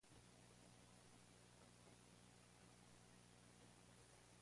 La capilla bautismal se encuentra al final de la nave del evangelio.